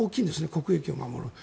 国益を守るのに。